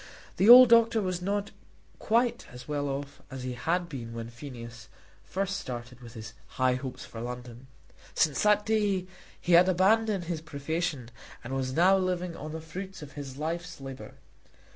The old doctor was not quite as well off as he had been when Phineas first started with his high hopes for London. Since that day he had abandoned his profession and was now living on the fruits of his life's labour.